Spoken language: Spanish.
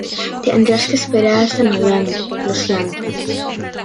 Tendrás que esperar hasta noviembre, lo siento.